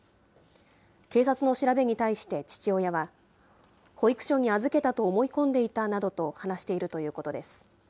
警察の調べに対して父親は、保育所に預けたと思い込んでいたなどと話しているということです。